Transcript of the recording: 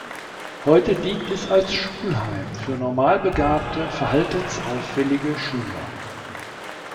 Heute dient es als Schulheim für normal begabte, verhaltensauffällige Schüler.